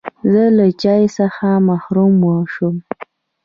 زه له چای څخه محروم شوم.